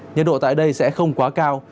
nhiệt độ tại đây sẽ không quá cao